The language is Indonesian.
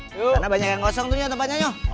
karena banyak yang gosong tuh ya tempatnya nyok